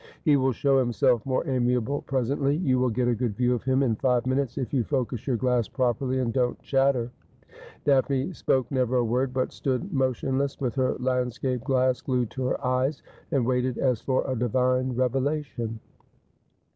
' He will show himself more amiable presently. You will get a good view of him in five minutes if you focus your glass properly and don't chatter.' Daphne spoke never a word, but stood motionless, with her landscape glass glued to her eyes, and waited, as for a divine revelation.